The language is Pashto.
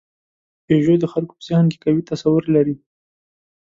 پيژو د خلکو په ذهن کې قوي تصور لري.